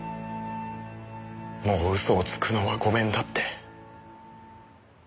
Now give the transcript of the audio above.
もう嘘をつくのは御免だって。